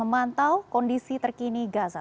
mantau kondisi terkini gaza